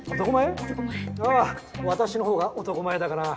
ああ私のほうが男前だがな。